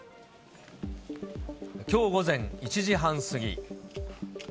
きょう午前１時半過ぎ。